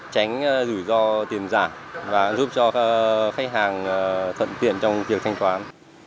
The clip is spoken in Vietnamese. tránh rủi ro tiền giả và giúp cho khách hàng thuận tiện trong việc thanh toán